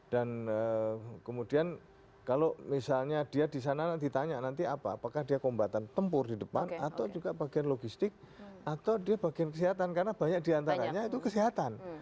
dan kemudian kalau misalnya dia di sana ditanya nanti apa apakah dia kombatan tempur di depan atau juga bagian logistik atau dia bagian kesehatan karena banyak di antaranya itu kesehatan